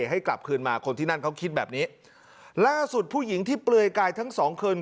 ให้กลับคืนมาคนที่นั่นเขาคิดแบบนี้ล่าสุดผู้หญิงที่เปลือยกายทั้งสองคน